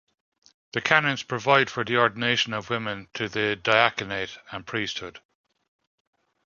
The canons provide for the ordination of women to the diaconate and priesthood.